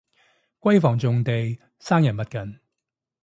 閨房重地生人勿近